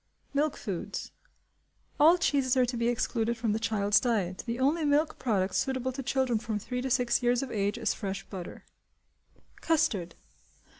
Milk Foods. All cheeses are to be excluded from the child's diet. The only milk product suitable to children from three to six years of age is fresh butter. Custard.